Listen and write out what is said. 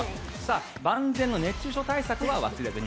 万全の熱中症対策は忘れずに。